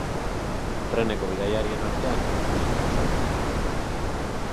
Treneko bidaiarien artean ez da inor zauritu.